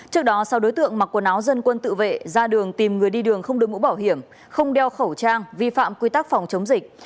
trước đó sau đối tượng mặc quần áo dân quân tự vệ ra đường tìm người đi đường không đối mũ bảo hiểm không đeo khẩu trang vi phạm quy tắc phòng chống dịch